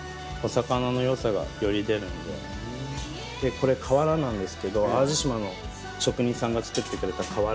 これ瓦なんですけど淡路島の職人さんが作ってくれた瓦。